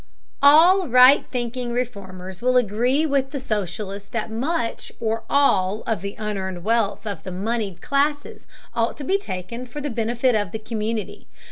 All right thinking reformers will agree with the socialist that much or all of the unearned wealth of the moneyed classes ought to be taken for the benefit of the community.